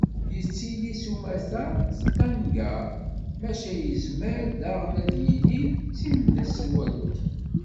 Yettili s umata, d tanga, maca yezmer daɣen ad yili d timdeswelt.